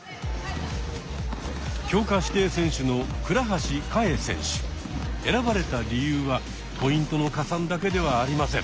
強化指定選手の選ばれた理由はポイントの加算だけではありません。